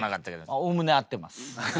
おおむね合ってます。